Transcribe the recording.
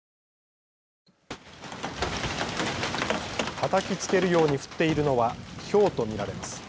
たたきつけるように降っているのはひょうと見られます。